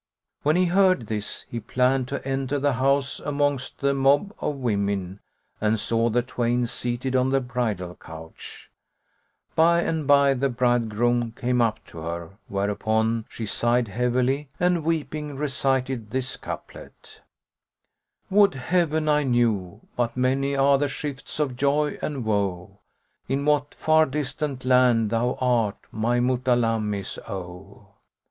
When he heard this, he planned to enter the house amongst the mob of women and saw the twain seated on the bridal couch.[FN#107] By and by, the bridegroom came up to her, whereupon she sighed heavily and weeping, recited this couplet, "Would Heaven I knew (but many are the shifts of joy and woe) * In what far distant land thou art, my Mutalammis, oh!"